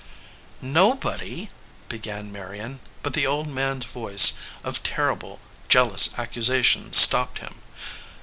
"Nobody " began Marion, but the old man s voice of terrible, jealous accusation stopped him.